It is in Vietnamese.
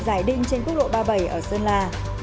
giải đinh trên quốc lộ ba mươi bảy ở sơn la